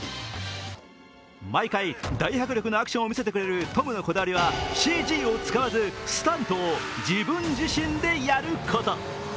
毎回大迫力のアクションを見せてくれるトムのこだわりはＣＧを使わずスタントを自分自身でやること。